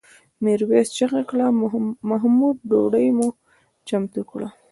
میرويس چیغه کړه محموده ډوډۍ مو چمتو کړه؟